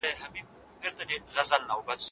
تاسو باید د وطن پاکوالي ته پام وکړئ.